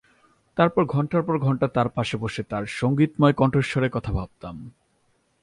তারপর ঘন্টার পর ঘন্টা তার পাশে বসে তার সংগীতময় কণ্ঠস্বরের কথা ভাবতাম।